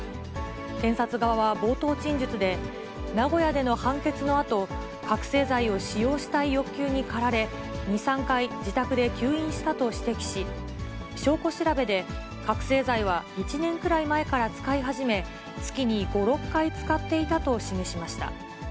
検察側は冒頭陳述で、名古屋での判決のあと、覚醒剤を使用したい欲求にかられ、２、３回、自宅で吸引したと指摘し、証拠調べで覚醒剤は１年くらい前から使い始め、月に５、６回使っていたと示しました。